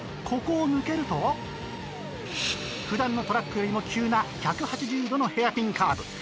ここを抜けると普段のトラックよりも急な１８０度のヘアピンカーブ。